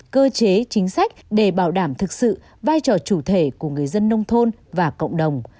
cơ chế chính sách để bảo đảm thực sự vai trò chủ thể của người dân nông thôn và cộng đồng